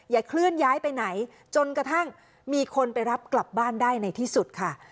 เคลื่อนย้ายไปไหนจนกระทั่งมีคนไปรับกลับบ้านได้ในที่สุดค่ะ